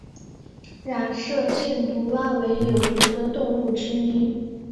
染色箭毒蛙为有毒的动物之一。